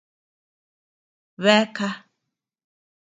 Beaka.